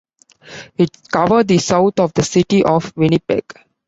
It covers the south of the city of Winnipeg.